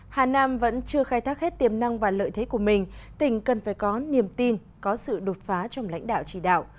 hà nam vẫn chưa khai thác hết tiềm năng và lợi thế của mình tỉnh cần phải có niềm tin có sự đột phá trong lãnh đạo chỉ đạo